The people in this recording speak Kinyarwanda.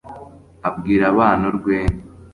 abwira abana urwenya